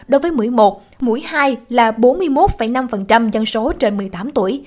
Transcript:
đối với mũi một mũi hai là bốn mươi một năm dân số trên một mươi tám tuổi